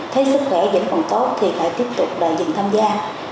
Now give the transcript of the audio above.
thấy sức khỏe vẫn còn tốt thì phải tiếp tục dừng tham gia